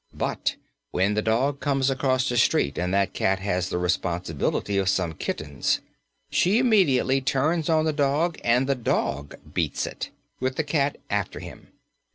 But when that dog comes across the street and that cat has the responsibility of some kittens, she immediately turns on the dog and the dog "beats it" with the cat after him.